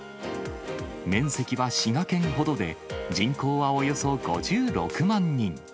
面積は滋賀県ほどで、人口はおよそ５６万人。